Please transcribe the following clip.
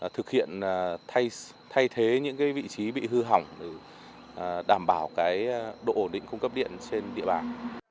thực hiện thay thế những vị trí bị hư hỏng để đảm bảo độ ổn định cung cấp điện trên địa bàn